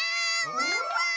ワンワン！